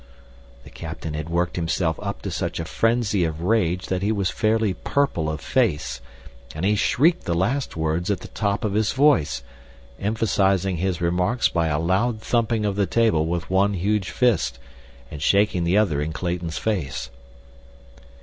The captain had worked himself up to such a frenzy of rage that he was fairly purple of face, and he shrieked the last words at the top of his voice, emphasizing his remarks by a loud thumping of the table with one huge fist, and shaking the other in Clayton's face.